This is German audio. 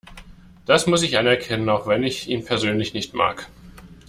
Das muss ich anerkennen, auch wenn ich ihn persönlich nicht mag.